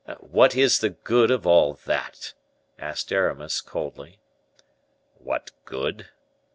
"What is the good of all that?" asked Aramis, coldly. "What good?"